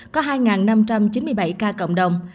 có hai năm trăm chín mươi bảy ca cộng đồng